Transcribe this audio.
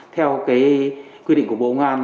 theo quy định của bộ ngoan